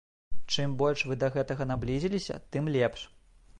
Чым больш вы да гэтага наблізіліся, тым лепш.